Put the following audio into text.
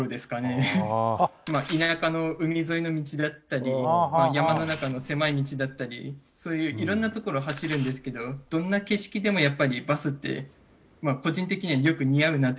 田舎の海沿いの道だったり山の中の狭い道だったりそういう色んな所を走るんですけどどんな景色でもやっぱりバスって個人的にはよく似合うなって思うんですね。